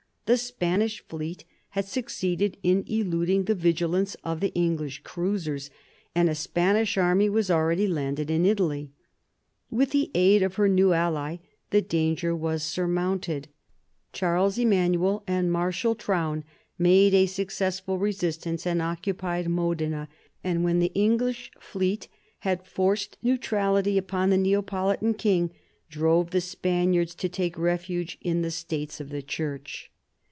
The Spanish fleet had succeeded in eluding the vigilance of the English cruisers, and a Spanish army was already landed in Italy. With the aid of her new ally, the danger was surmounted Charles Emanuel and Marshal Traun made a successful resistance, and occupied Modena; and when the English fleet had forced neutrality upon the Neapolitan king, drove the Spaniards to take refuge in the States of the Church.